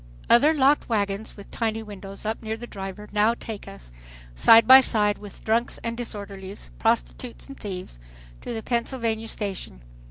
Other locked wagons with tiny windows up near the driver now take us, side by side with drunks and disorderlies, prostitutes and thieves, to the Pennsylvania Station.